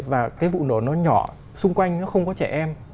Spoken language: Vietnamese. và cái vụ nổ nó nhỏ xung quanh nó không có trẻ em